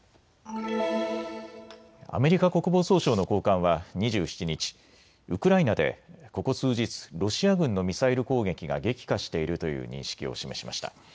アメリカ国防総省の高官は２７日、ウクライナでここ数日ロシア軍のミサイル攻撃が激化しているという認識を示しました。